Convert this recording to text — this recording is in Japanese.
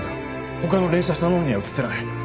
他の連写したものには写ってない。